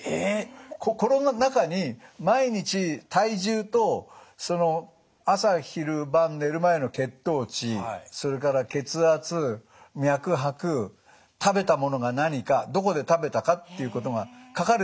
この中に毎日体重と朝昼晩寝る前の血糖値それから血圧脈拍食べたものが何かどこで食べたかということが書かれる。